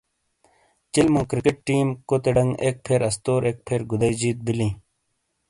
چلمو کرکٹ ٹیم کوتے ڈنگ ایک پھیر استور ایک پھیر گدٸی جیت بیلیٸی ۔